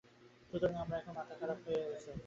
সুতরাং, আমার এখন মাথা খারাপ হয়ে গেছে!